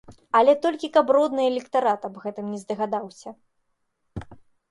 Але толькі каб родны электарат аб гэтым не здагадаўся.